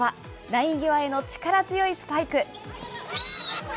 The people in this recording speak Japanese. ライン際への力強いスパイク。